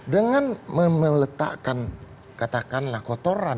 dengan meletakkan katakanlah kotoran